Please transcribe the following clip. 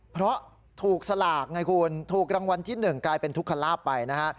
เพราะถูกสลากไงคุณถูกรางวัลที่๑กลายเป็นทุกขลาบไปนะฮะ